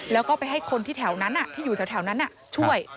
แล้วก็ไปให้คนที่อยู่แถวนั้นช่วย